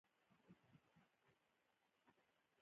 ځان ته ځیر اوسه